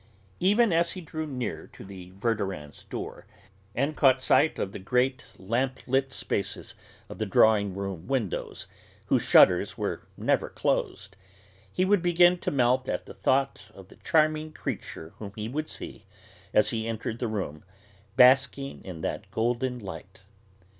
Even as he drew near to the Verdurins' door, and caught sight of the great lamp lit spaces of the drawing room windows, whose shutters were never closed, he would begin to melt at the thought of the charming creature whom he would see, as he entered the room, basking in that golden light.